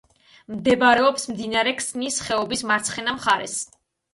მდებარეობს მდინარე ქსნის ხეობის მარცხენა მხარეს.